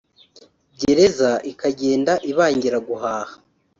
Gereza ikagenda ibangira guhaha